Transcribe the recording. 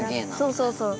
そうそうそう。